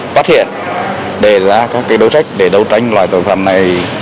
phát hiện đề ra các cái đối trách để đấu tranh loại tội phạm này